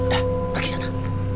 dah pergi sana